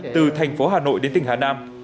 từ thành phố hà nội đến tỉnh hà nam